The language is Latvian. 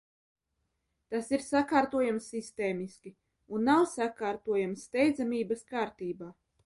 Tas ir sakārtojams sistēmiski un nav sakārtojams steidzamības kārtībā.